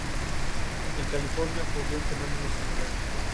Jugó principalmente como centrocampista defensivo.